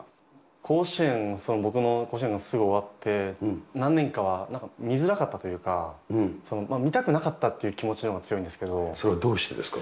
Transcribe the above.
甲子園、僕の甲子園がすぐ終わって、何年かは見づらかったというか、見たくなかったっていう気持ちのそれはどうしてですか？